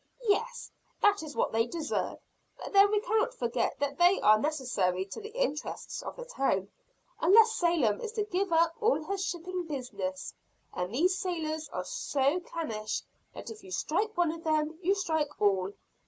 "Yes, that is what they deserve, but then we cannot forget that they are necessary to the interests of the town unless Salem is to give up all her shipping business and these sailors are so clannish that if you strike one of them, you strike all.